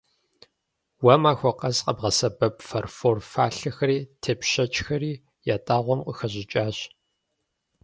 Уэ махуэ къэс къэбгъэсэбэп фарфор фалъэхэри тепшэчхэри ятӀагъуэм къыхэщӀыкӀащ.